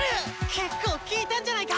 結構効いたんじゃないか？